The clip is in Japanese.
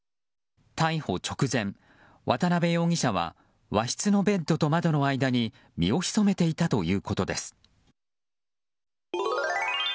逮捕直前、渡辺容疑者は和室のベッドと窓の間に身を潜めていたということです。